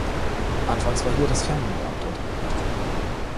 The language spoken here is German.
Anfangs war hier das Fernmeldeamt untergebracht.